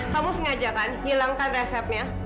kamu sengaja kan hilangkan resepnya